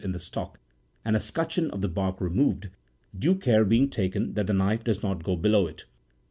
in the stock, and a scutcheon31 of the bark removed, due care being taken that the knife does not go below it.